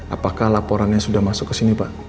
apakah laporannya sudah masuk ke sini pak